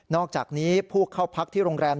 อกจากนี้ผู้เข้าพักที่โรงแรม